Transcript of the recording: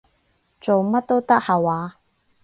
做乜都得下話？